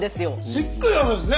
しっかりあるんですね